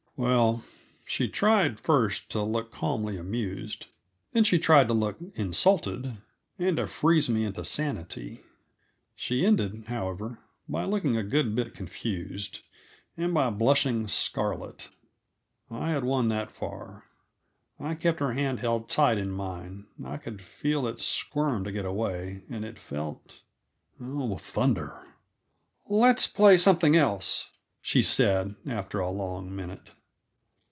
Well, she tried first to look calmly amused; then she tried to look insulted, and to freeze me into sanity. She ended, however, by looking a good bit confused, and by blushing scarlet. I had won that far. I kept her hand held tight in mine; I could feel it squirm to get away, and it felt oh, thunder! "Let's play something else," she said, after a long minute.